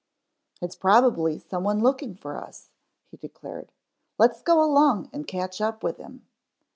"It's probably some one looking for us," he declared. "Let's go along and catch up with him."